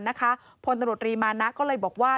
นะคะผู้จัดตรวจทรีมานาทฯก็เลยบอกว่า